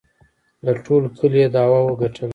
له ټول کلي یې دعوه وگټله